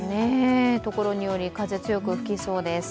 ところにより風強く吹きそうです。